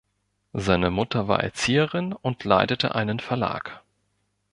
Seine Mutter war Erzieherin und leitete einen Verlag.